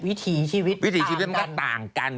วิถีชีวิตต่างกัน